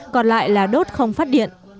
còn lại là đốt không phát điện